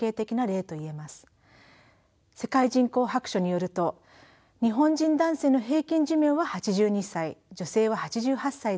世界人口白書によると日本人男性の平均寿命は８２歳女性は８８歳です。